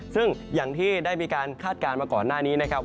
ซึ่งอย่างที่ได้มีการคาดการณ์มาก่อนหน้านี้นะครับ